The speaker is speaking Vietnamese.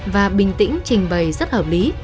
và bình tĩnh trình bày rất hợp lý